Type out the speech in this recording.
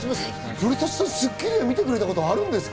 古舘さん、『スッキリ』は見てくれたことあるんですか？